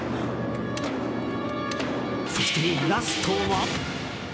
そしてラストは。